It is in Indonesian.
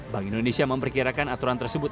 bank indonesia memperkirakan aturan tersebut